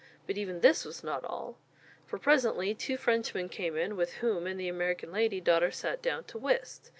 But even this was not all. For presently two Frenchmen came in, with whom, and the American lady, daughter sat down to whist.